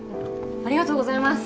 ありがとうございます